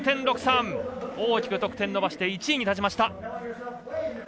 大きく得点伸ばして１位に立ちました。